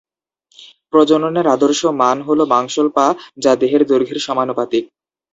প্রজননের আদর্শ মান হলো মাংসল পা যা দেহের দৈর্ঘ্যের সমানুপাতিক।